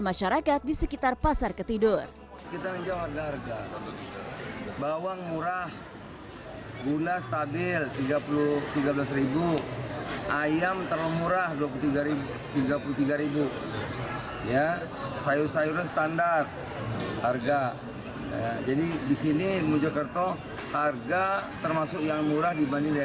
menjelang ramadan ini